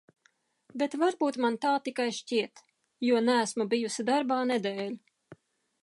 Bet varbūt man tā tikai šķiet, jo neesmu bijusi darbā nedēļu.